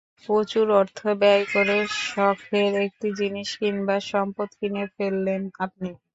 প্রচুর অর্থ ব্যয় করে শখের একটি জিনিস কিংবা সম্পদ কিনে ফেললেন আপনি।